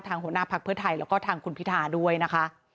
หัวหน้าพักเพื่อไทยแล้วก็ทางคุณพิธาด้วยนะคะ